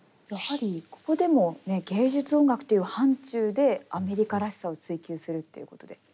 やはりここでもね芸術音楽という範ちゅうでアメリカらしさを追求するっていうことで。